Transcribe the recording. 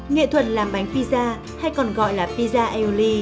nghệ thuật làm bánh pizza hay còn gọi là pizza aioli